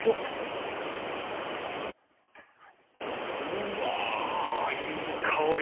うわいい香り！